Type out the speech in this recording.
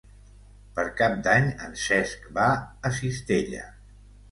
Per Cap d'Any en Cesc va a Cistella.